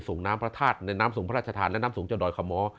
เอาขึ้นไปส่งน้ำพระธาตุในน้ำส่งพระราชธาในน้ำส่งเจียวด่อยคม